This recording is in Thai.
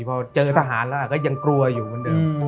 พอเจอทหารแล้วก็ยังกลัวอยู่เหมือนเดิม